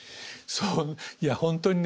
いや本当にね